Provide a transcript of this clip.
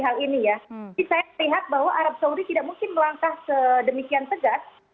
tapi saya melihat bahwa arab saudi tidak mungkin melangkah sedemikian tegas